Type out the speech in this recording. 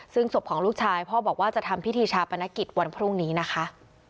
ซึ่งศพของลูกชายพ่อบอกว่าจะทำพิธีชาปนกิจวันพรุ่งนี้นะคะ